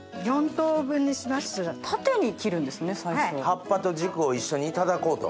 葉っぱと軸を一緒にいただこうと。